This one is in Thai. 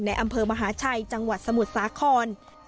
อำเภอมหาชัยจังหวัดสมุทรสาคร